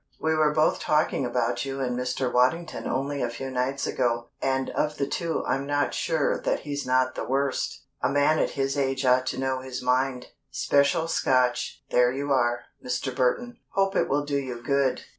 We were both talking about you and Mr. Waddington only a few nights ago, and of the two I'm not sure that he's not the worst. A man at his age ought to know his mind. Special Scotch there you are, Mr. Burton. Hope it will do you good."